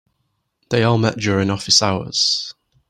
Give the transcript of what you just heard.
They all met during office hours.